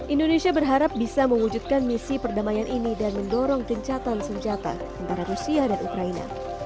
indonesia berharap bisa mewujudkan misi perdamaian ini dan mendorong gencatan senjata antara rusia dan ukraina